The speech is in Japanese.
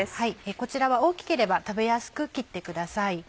こちらは大きければ食べやすく切ってください。